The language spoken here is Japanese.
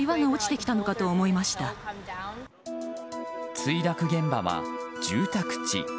墜落現場は住宅地。